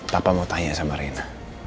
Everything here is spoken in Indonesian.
papa mau tanya sama rena